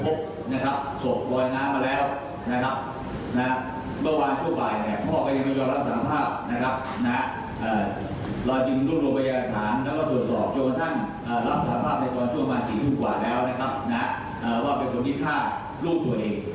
โดยเอาแสงมือเข็มแล้วก็หลับลงทะเลไปเลย